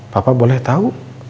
papa boleh tau